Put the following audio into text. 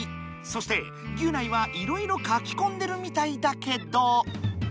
そしてギュナイはいろいろ書きこんでるみたいだけど。